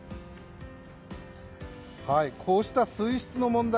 こうした水質の問題